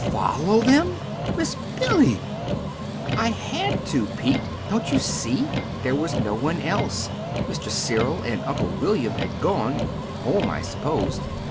"FOLLOW them! MISS BILLY!" "I had to, Pete; don't you see? There was no one else. Mr. Cyril and Uncle William had gone home, I supposed.